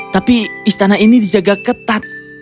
tapi istana ini dijaga ketat